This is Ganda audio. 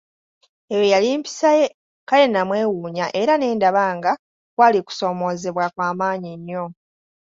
Eyo yali mpisa ye, kale namwewuunya era ne ndaba nga kusomoozebwa kwamaanyi nnyo.